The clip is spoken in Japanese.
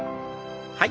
はい。